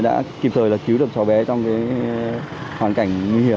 đã kịp thời là cứu được cháu bé trong hoàn cảnh nguy hiểm